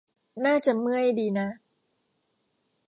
น่าจะเมื่อยดีนะ